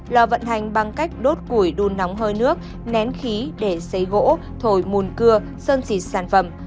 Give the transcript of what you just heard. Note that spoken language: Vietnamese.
lò vận hành bằng cách đốt củi đun nóng hơi nước nén khí để xấy gỗ thổi mùn cưa sơn xịt sản phẩm